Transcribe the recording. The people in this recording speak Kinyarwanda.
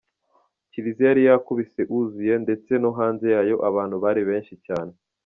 Kiliziya yari yakubise uzuye, ndetse no hanze yayo abantu bari benshi cyane.